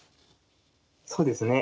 そうですね。